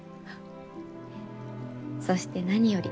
そして何より。